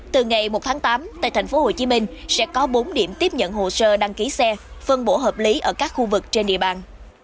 từ ngày một tháng tám tại tp hcm sẽ có bốn điểm tiếp nhận hồ sơ đăng ký xe phân bổ hợp lý ở các khu vực trên địa bàn